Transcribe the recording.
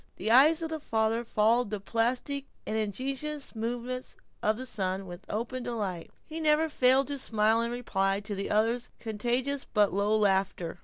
The eyes of the father followed the plastic and ingenious movements of the son with open delight, and he never failed to smile in reply to the other's contagious but low laughter.